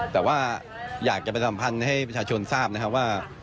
แต่ว่าอยากจะไปสัมพันธ์ให้ประชาชนทราบนะครับว่า